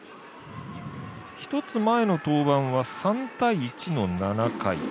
１つ前の登板は３対１の７回。